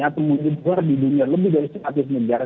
atau menyebar di dunia lebih dari seratus negara